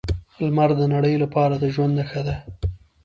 لمر د نړۍ لپاره د ژوند نښه ده.